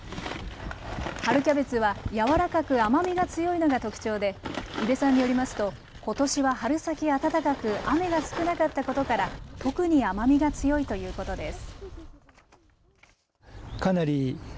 春キャベツは柔らかく甘みが強いのが特徴で伊部さんによりますとことしは春先暖かく雨が少なかったことから特に甘味が強いということです。